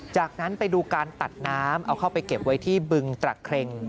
จากนั้นไปดูการตัดน้ำเอาเข้าไปเก็บไว้ที่บึงตระเครง